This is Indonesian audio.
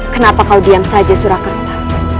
kenapa kau diam saja surakarta